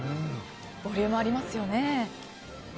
ボリュームありますよね。